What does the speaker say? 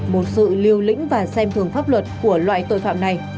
một sự liều lĩnh và xem thường pháp luật của loại tội phạm này